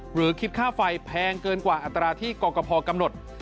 หรือคิดค่าไฟแพงเกินกว่าอัตราที่กรกภกำหนด